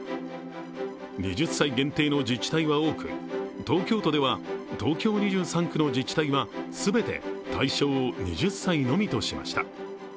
２０歳限定の自治体は多く、東京都では、東京２３区の自治体は全て対象を２０歳のみとしました。